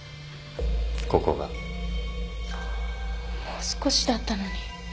もう少しだったのに